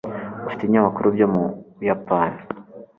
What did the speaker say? ufite ibinyamakuru byo mu buyapani